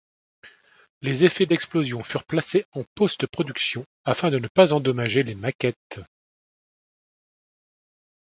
Les effets d'explosion furent placés en post-production afin de ne pas endommager les maquettes.